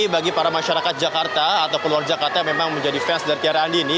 bagi para masyarakat jakarta atau keluar jakarta yang memang menjadi fans dari tiara andini